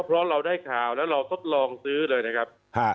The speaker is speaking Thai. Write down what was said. เพราะเราได้ข่าวแล้วเราทดลองซื้อเลยนะครับ